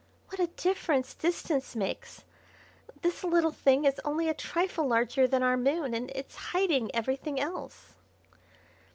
What a difference distance makes! This little thing is only a trifle larger than our Moon, and it's hiding everything else."